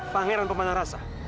pangeran pemanah rasa